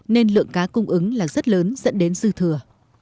nên lượng cá cung ứng là rất lớn dẫn đến dư thừa